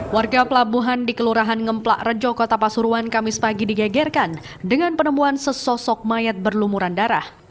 warga pelabuhan di kelurahan ngemplak rejo kota pasuruan kamis pagi digegerkan dengan penemuan sesosok mayat berlumuran darah